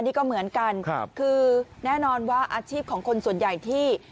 นี่ก็เหมือนกันคือแน่นอนว่าอาชีพของคนส่วนใหญ่ที่